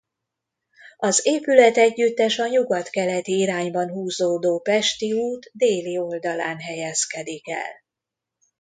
Az épületegyüttes a nyugat-keleti irányban húzódó Pesti út déli oldalán helyezkedik el.